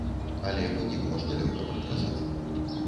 Але вынік можна лёгка прадказаць.